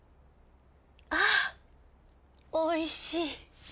あおいしい。